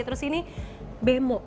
terus ini bemo